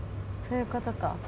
そういうことか。